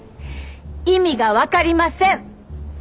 意味が分かりません！